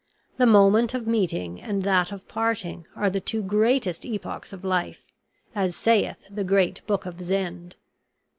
The moment of meeting and that of parting are the two greatest epochs of life, as sayeth the great book of Zend.